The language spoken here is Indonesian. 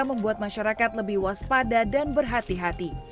membuat masyarakat lebih waspada dan berhati hati